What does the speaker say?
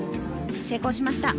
成功しました。